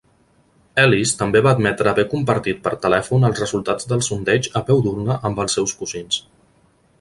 Ellis també va admetre haver compartit per telèfon els resultats del sondeig a peu d'urna amb els seus cosins.